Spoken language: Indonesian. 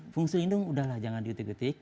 fungsi lindung udahlah jangan diutip utip